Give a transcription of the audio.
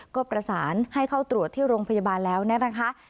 ก็ประสานให้เข้าตรวจที่โรงพยาบาลแล้วนะคะ